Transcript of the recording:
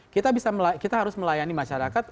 kita harus melayani masyarakat